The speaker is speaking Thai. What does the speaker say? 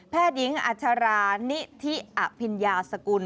แพทย์ยิงอัชรานิธิอภิญาสกุล